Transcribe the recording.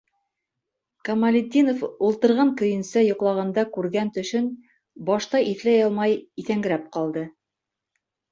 Камалетдинов ултырған көйөнсә йоҡлағанда күргән төшөн башта иҫләй алмай иҫәңгерәп ҡалды.